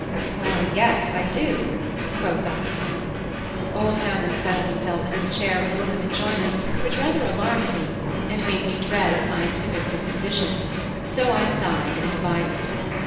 "Well, yes, I do," quoth I. Old Hammond settled himself in his chair with a look of enjoyment which rather alarmed me, and made me dread a scientific disquisition: so I sighed and abided.